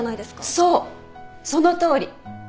そうそのとおり。